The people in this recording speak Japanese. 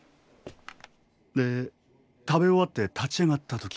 で食べ終わって立ち上がった時。